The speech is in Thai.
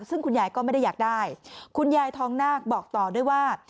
ซึ่งคุณยายก็ไม่ได้อยากได้คุณยายทองนาคบอกต่อด้วยว่า